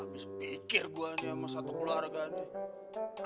habis pikir gue hanya sama satu keluarga nih